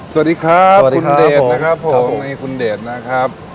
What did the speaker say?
สวัสดีครับคุณเดชนะครับผมนี่คุณเดชนะครับ